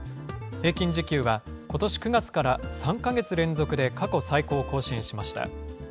平均時給はことし９月から３か月連続で過去最高を更新しました。